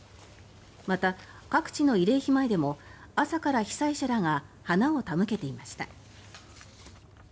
また、各地の慰霊碑前でも朝から被災者らが花を手向けていました。